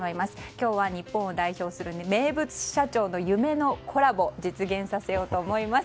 今日は日本を代表する名物社長の夢のコラボを実現させようと思います。